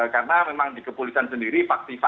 karena memang di kepulisan sendiri